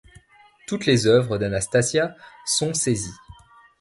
Toutes les œuvres d'Anastassia sont saisies.